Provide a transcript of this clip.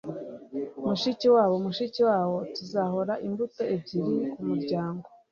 mushikiwabo mushikiwabo tuzahora, imbuto ebyiri kumuryango